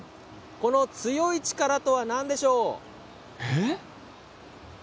この強い力とは何でしょう。